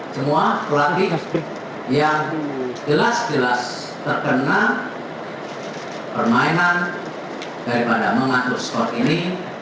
semua pelatih yang jelas jelas terkena permainan daripada mengatur skor ini